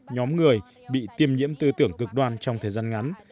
nhóm người bị tiêm nhiễm tư tưởng cực đoan trong thời gian ngắn